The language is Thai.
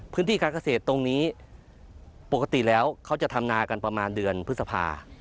พื้นที่การเกษตรตรงนี้ปกติแล้วเขาจะทำนากันประมาณเดือนพฤษภา